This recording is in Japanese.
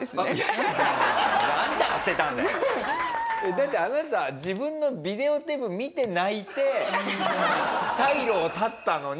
だってあなた自分のビデオテープ見て泣いて退路を断ったのに。